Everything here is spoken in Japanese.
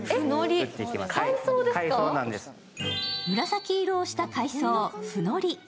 紫色をした海藻、ふのり。